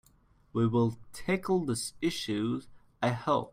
We will tackle this issue, I hope.